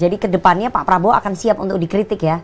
jadi kedepannya pak prabowo akan siap untuk dikritik ya